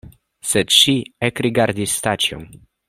Sed ŝi ekrigardis Staĉjon.